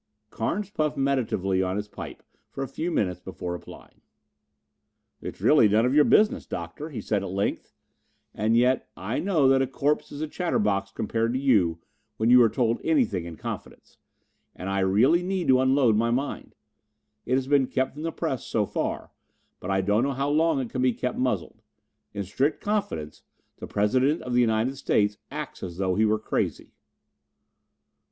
Carnes puffed meditatively at his pipe for a few minutes before replying. "It's really none of your business. Doctor," he said at length, "and yet I know that a corpse is a chatterbox compared to you when you are told anything in confidence, and I really need to unload my mind. It has been kept from the press so far; but I don't know how long it can be kept muzzled. In strict confidence, the President of the United State acts as though he were crazy."